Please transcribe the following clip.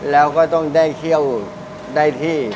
แล้วก็ต้องได้เคี่ยวได้ที่